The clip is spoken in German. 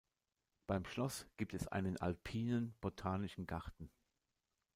Beim Schloss gibt es einen alpinen botanischen Garten.